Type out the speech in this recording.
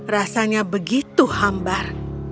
rasanya begitu hambar